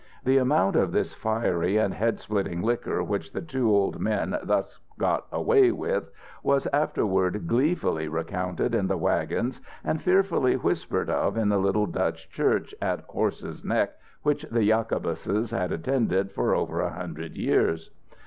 The amount of this fiery and head splitting liquor which the two old men thus got away with was afterward gleefully recounted in the wagons and fearfully whispered of in the little Dutch church at Horse's Neck which the Jacobuses had attended for over a hundred years.